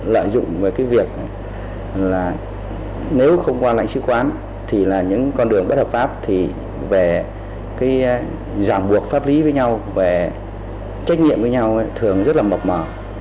các đối tượng này lợi dụng về cái việc là nếu không qua lệnh trực quán thì là những con đường bất hợp pháp thì về cái giảm buộc pháp lý với nhau về trách nhiệm với nhau thường rất là mọc mỏ